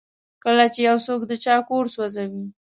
کله چې یو څوک د چا کور سوځوي.